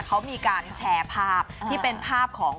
เขามีการแชร์ภาพที่เป็นภาพของ